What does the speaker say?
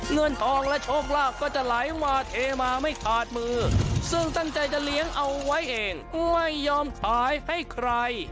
เงินทองและโชคลาภก็จะไหลมาเทมาไม่ขาดมือซึ่งตั้งใจจะเลี้ยงเอาไว้เองไม่ยอมขายให้ใคร